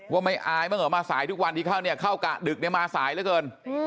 ว่าไม่อายบ้างเหรอมาสายทุกวันที่เข้าเนี่ยเข้ากะดึกเนี่ยมาสายเหลือเกิน